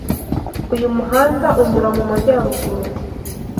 Uyu muhanda unyura mu majyaruguru.